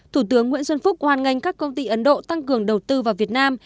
thủ tướng nguyễn xuân phúc hoan nghênh các công ty ấn độ tăng cường đầu tư vào việt nam